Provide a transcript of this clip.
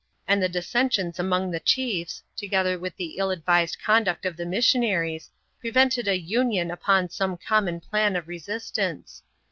and the dissensions among the chiefs, together with iheiU advised conduct of the missionaries, prevented a union upon some common plan of resistance.